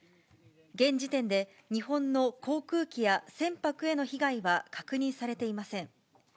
現時点で、日本の航空機や船舶への被害は確認されていません。